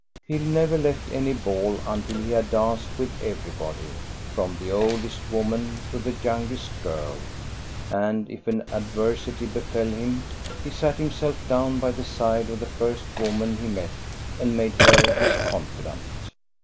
He never left any ball until he had danced with everybody, from the oldest woman to the youngest girl, and if an adversity befell him, he sat himself down by the side of the first woman he met and made her his confidante.